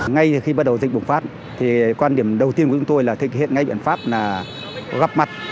ngay từ khi bắt đầu dịch bùng phát thì quan điểm đầu tiên của chúng tôi là thực hiện ngay biện pháp là gặp mặt